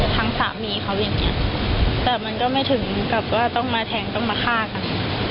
ทั้งสามีเขาอย่างนี้แต่มันก็ไม่ถึงกับว่าต้องมาแทงต้องมาฆ่ากัน